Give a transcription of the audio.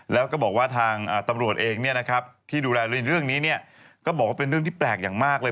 แล้วก็บอกว่าทางตำรวจเองที่ดูแลในเรื่องนี้ก็บอกว่าเป็นเรื่องที่แปลกอย่างมากเลย